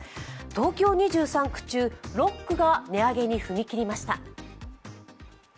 東京２３区中、６区が値上げに踏み切りました。